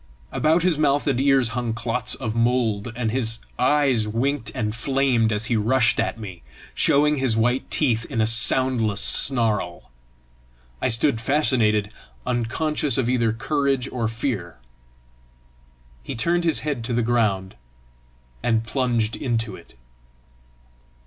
About his mouth and ears hung clots of mould, and his eyes winked and flamed as he rushed at me, showing his white teeth in a soundless snarl. I stood fascinated, unconscious of either courage or fear. He turned his head to the ground, and plunged into it.